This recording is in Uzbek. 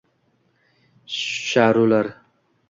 Sharular